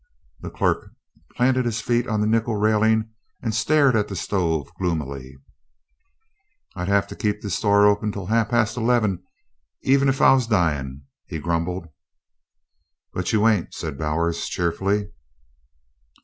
The clerk planted his feet on the nickel railing and stared at the stove gloomily. "I'd have to keep this store open till half past 'leven if I was dyin'," he grumbled. "But you ain't," said Bowers, cheerfully.